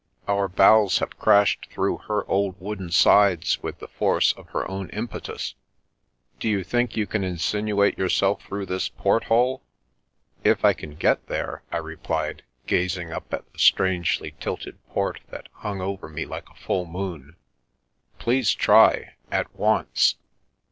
Our bows have crashed through her old wooden sides with the force of her own impetus. Do you think you can insinuate yourself through this port hole?" "If I can get there/' I replied, gazing up at the strangely tilted port that hung over me like a full moon. " Please try — at once.